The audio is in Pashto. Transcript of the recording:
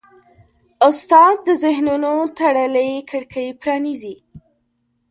استاد د ذهنونو تړلې کړکۍ پرانیزي.